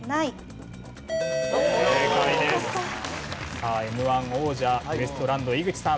さあＭ−１王者ウエストランド井口さん。